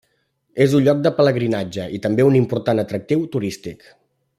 És un lloc de pelegrinatge i també un important atractiu turístic.